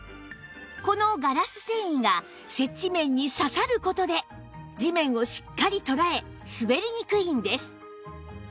このガラス繊維が接地面に刺さる事で地面をしっかりとらえ滑りにくいんです